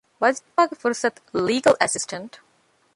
ވަޒިފާގެ ފުރުސަތު - ލީގަލް އެސިސްޓަންޓް